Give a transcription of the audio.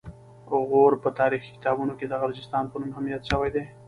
غور په تاریخي کتابونو کې د غرجستان په نوم هم یاد شوی دی